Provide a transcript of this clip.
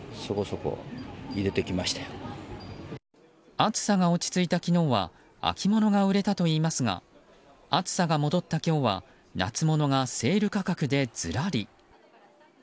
暑さが落ち着いた昨日は秋物が売れたといいますが暑さが戻った今日は夏物がセール価格でずらり。